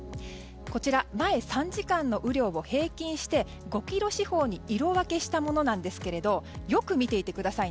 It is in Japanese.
前３時間の雨量を平均して５ｋｍ四方に色分けしたものですがよく見ていてください。